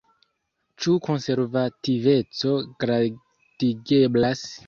Ĉu konservativeco gradigeblas?